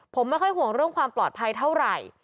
ผมไม่ค่อยห่วงเรื่องความปลอดภัยเท่าไหร่